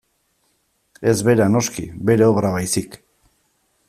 Ez bera, noski, bere obra baizik.